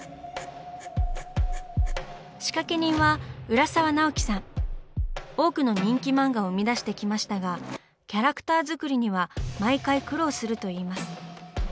仕掛け人は多くの人気漫画を生み出してきましたがキャラクター作りには毎回苦労するといいます。